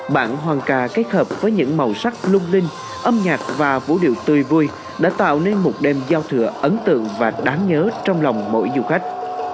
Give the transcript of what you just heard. bản hòn cà kết hợp với những màu sắc lung linh âm nhạc và vũ điệu tươi vui đã tạo nên một đêm giao thừa ấn tượng và đáng nhớ trong lòng mỗi du khách